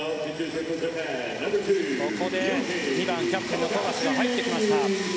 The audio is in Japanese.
ここで２番、キャプテンの富樫が入ってきました。